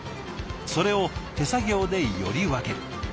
それを手作業でより分ける。